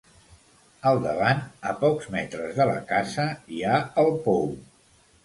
Al davant, a pocs metres de la casa, hi ha el pou.